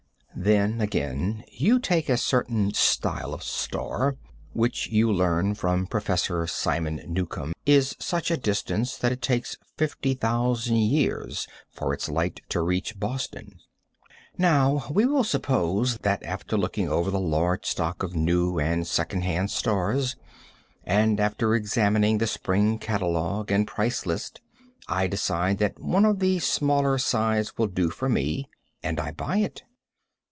Then, again, you take a certain style of star, which you learn from Professor Simon Newcomb is such a distance that it takes 50,000 years for its light to reach Boston. Now, we will suppose that after looking over the large stock of new and second hand stars, and after examining the spring catalogue and price list, I decide that one of the smaller size will do me, and I buy it.